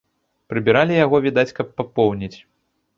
Прыбіралі яго, відаць, каб папоўніць.